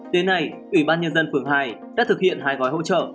đến nay ủy ban nhân dân phường hai đã thực hiện hai gói hỗ trợ